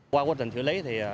qua quá trình xử lý thì